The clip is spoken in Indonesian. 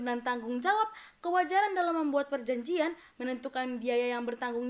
dan tanggung jawab kewajaran dalam membuat perjanjian menentukan biaya yang bertanggung